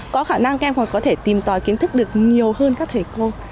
có khả năng các em còn có thể tìm tòi kiến thức được nhiều hơn các thầy cô